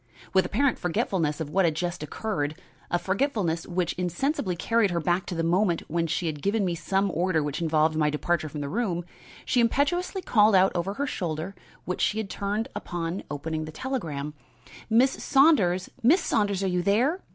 With apparent forgetfulness of what had just occurred a forgetfulness which insensibly carried her back to the moment when she had given me some order which involved my departure from the room she impetuously called out over her shoulder which she had turned on opening her telegram: "Miss Saunders! Miss Saunders! are you there?